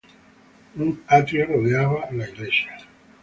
Un atrio rodeaba la iglesia.